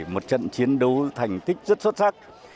một trận chiến đấu thành tích rất xuất sắc